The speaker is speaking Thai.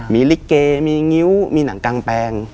มีลิเกมีงิ้วมีหนังกางแปลง